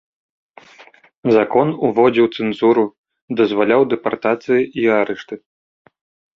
Закон уводзіў цэнзуру, дазваляў дэпартацыі і арышты.